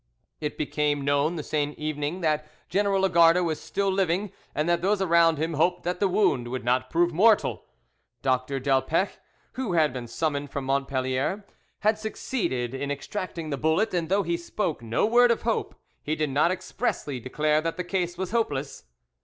It became know the same evening that General Lagarde was still living, and that those around him hoped that the wound would not prove mortal. Dr. Delpech, who had been summoned from Montpellier, had succeeded in extracting the bullet, and though he spoke no word of hope, he did not expressly declare that the case was hopeless.